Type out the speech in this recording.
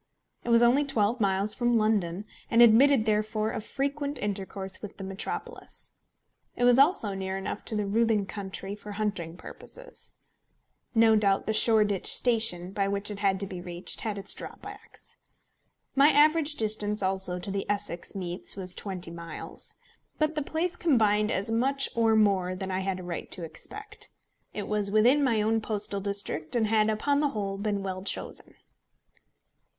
It was only twelve miles from London, and admitted therefore of frequent intercourse with the metropolis. It was also near enough to the Roothing country for hunting purposes. No doubt the Shoreditch Station, by which it had to be reached, had its drawbacks. My average distance also to the Essex meets was twenty miles. But the place combined as much or more than I had a right to expect. It was within my own postal district, and had, upon the whole, been well chosen.